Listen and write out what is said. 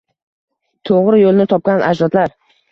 To’g’ri yo’lni topgan ajdodlar